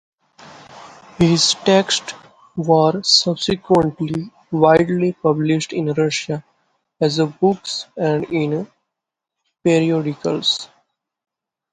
His texts were subsequently widely published in Russia as books and in periodicals.